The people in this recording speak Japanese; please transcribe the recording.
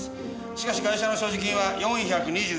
しかしガイシャの所持金は４２１円でした。